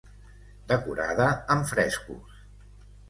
Decorada amb frescos.